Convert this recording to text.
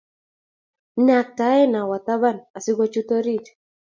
kyanakte awe taban asigochut orit